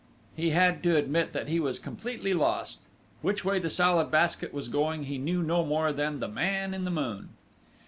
He had to admit that he was completely lost.... Which way the Salad Basket was going he knew no more than the Man in the Moon!